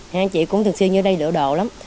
hai anh chị cũng thực sự như đây lựa đồ lắm